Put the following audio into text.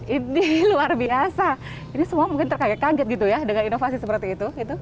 ini luar biasa ini semua mungkin terkaget kaget gitu ya dengan inovasi seperti itu